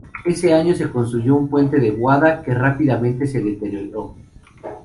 Ese año se construyó un puente de guadua que rápidamente se deterioró.